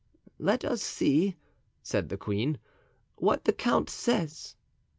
"Let us see," said the queen, "what the count says."